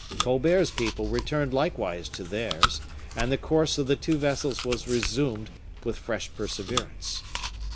Colbert's people returned likewise to theirs, and the course of the two vessels was resumed with fresh perseverance.